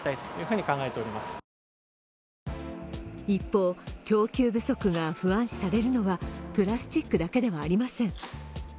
一方、供給不足が不安視されるのはプラスチックだけではありません。